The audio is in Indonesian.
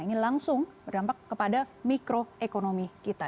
ini langsung berdampak kepada mikroekonomi kita